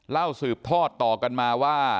สืบทอดต่อกันมาว่า